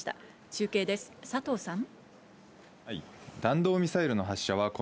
中継です、佐藤さん。